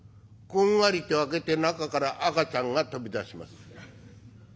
「こんがりと焼けて中から赤ちゃんが飛び出します」。